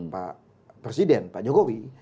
pak presiden pak jokowi